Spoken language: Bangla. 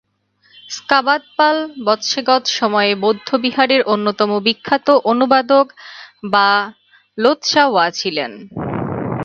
স্কা-বা-দ্পাল-ব্র্ত্সেগ্স সম-য়ে বৌদ্ধবিহারের অন্যতম বিখ্যাত অনুবাদক বা লো-ৎসা-ওয়া ছিলেন।